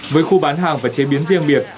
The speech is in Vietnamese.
với khu bán hàng và chế biến riêng biệt